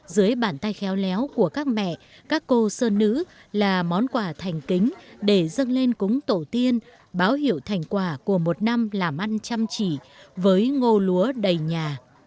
dưới bàn tay khéo léo của các mẹ các cô sơn nữ là món quà thành kính để dâng lên cúng tổ tiên báo hiệu thành quả của một năm làm ăn chăm chỉ với ngô lúa đầy nhà